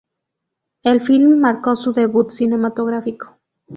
El film marcó su debut cinematográfico.